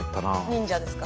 ・忍者ですか？